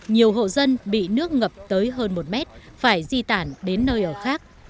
nhiều hộ dân bị nước ngập tới hơn một mét phải di tản đến nơi ở khác